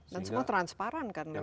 dan semua transparan kan